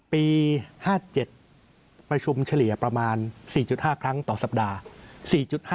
ปี๕๗ประชุมเฉลี่ยประมาณ๔๕ครั้งต่อสัปดาห์